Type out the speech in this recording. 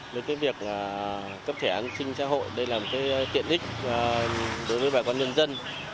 với việc cấp thẻ an sinh xã hội đây là một tiện ích đối với bà con nhân dân